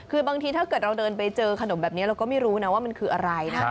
คือบางทีถ้าเกิดเราเดินไปเจอขนมแบบนี้เราก็ไม่รู้นะว่ามันคืออะไรนะ